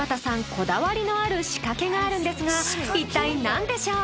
こだわりのある仕掛けがあるんですが一体何でしょう？